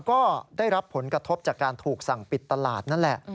ก็ได้รับผลกระทบจากการถูกสั่งปิดตลาดนั่นแหละ